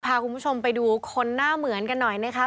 พาคุณผู้ชมไปดูคนหน้าเหมือนกันหน่อยนะคะ